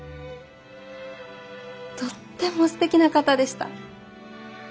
とってもすてきな方でした。